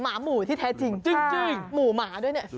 หมาหมู่ที่แท้จริงหมู่หมาด้วยเนี่ย